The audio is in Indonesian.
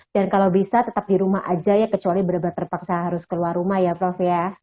dan kalau bisa tetap di rumah saja ya kecuali berapa terpaksa harus keluar rumah ya prof ya